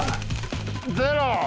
ゼロ！